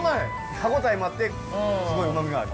歯応えもあってスゴイうまみがある。